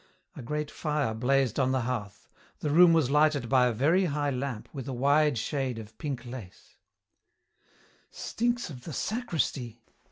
A great fire blazed on the hearth. The room was lighted by a very high lamp with a wide shade of pink lace "Stinks of the sacristy!"